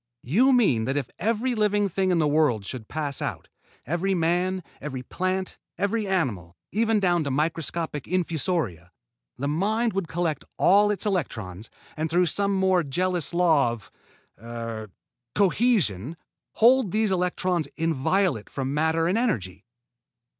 "You mean that if every living thing in the world should pass out, every man, every plant, every animal, even down to microscopic infusoria, the Mind would collect all its electrons, and through some more jealous law of, er, cohesion hold these electrons inviolate from matter and energy?"